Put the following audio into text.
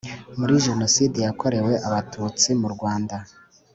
muri Jenoside yakorewe abatutsi mu Rwanda